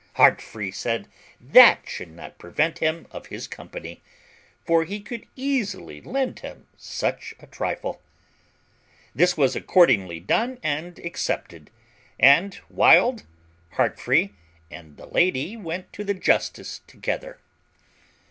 Heartfree said that should not prevent him of his company, for he could easily lend him such a trifle. This was accordingly done and accepted, and Wild, Heartfree, and the lady went to the justice together.